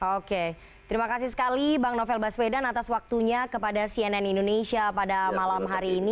oke terima kasih sekali bang novel baswedan atas waktunya kepada cnn indonesia pada malam hari ini